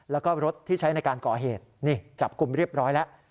แล้วก็รถที่ใช้ในการก่อเหตุนี่จับกลุ่มเรียบร้อยแล้ว